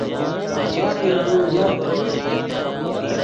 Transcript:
پے یاخیو دے اوژر